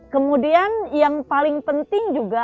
kemudian yang paling penting juga